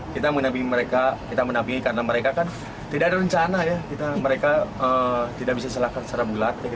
kita mendampingi mereka karena mereka kan tidak ada rencana mereka tidak bisa selahkan secara mulat